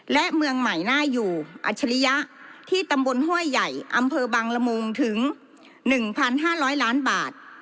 และเมืองใหม่น่าอยู่อัจฉริยะที่ตำบลห้วยใหญ่อำเภอบังละมุงถึง๑๕๐๐ล้านบาท